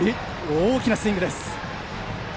大きなスイングです。